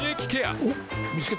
おっ見つけた。